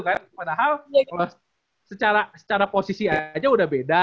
karena padahal secara posisi aja udah beda